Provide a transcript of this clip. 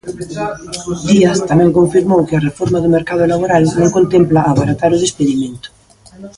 Díaz tamén confirmou que a reforma do mercado laboral non contempla abaratar o despedimento.